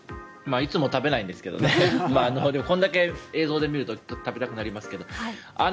いつも食べないんですけどこんだけ映像で見ると食べたくなりますけど。